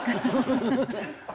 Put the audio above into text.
ハハハハ！